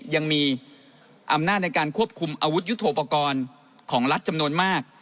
ยังมีอำนาจในการควบคุมอาวุธยุทธโปรกรณ์ของรัฐจำนวนมาก